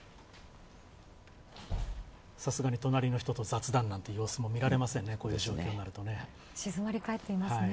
さすがに隣の人と雑談なんて様子もみられませんね、こういう状況になるとね。